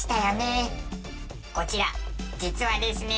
こちら実はですね。